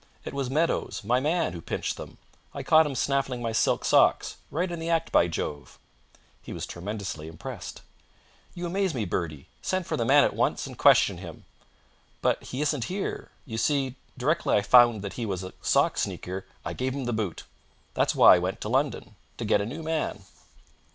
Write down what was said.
It was Meadowes, my man, who pinched them. I caught him snaffling my silk socks. Right in the act, by Jove!" He was tremendously impressed. "You amaze me, Bertie! Send for the man at once and question him." "But he isn't here. You see, directly I found that he was a sock sneaker I gave him the boot. That's why I went to London to get a new man."